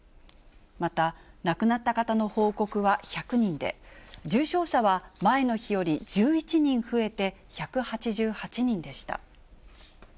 また、亡くなった方の報告は１００人で、重症者は前の日より１１人増えて１８８人でした。